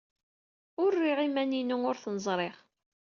Ur rriɣ iman-inu ur ten-ẓriɣ.